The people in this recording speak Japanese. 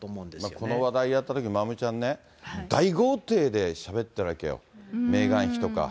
この話題やったとき、まおみちゃんね、大豪邸でしゃべってるわけよ、メーガン妃とか。